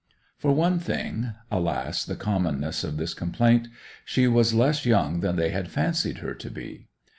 For one thing (alas! the commonness of this complaint), she was less young than they had fancied her to be.